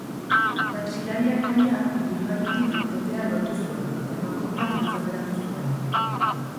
Taxilariak, baina, ibilgailutik irtetea lortu zuen eta emakumea giltzaperatu zuen.